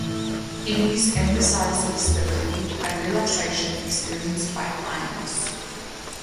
"Ease" emphasizes the relief and relaxation experienced by clients.